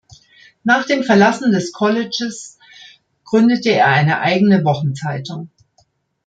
Nach dem Verlassen des Colleges gründete er eine eigene Wochenzeitung.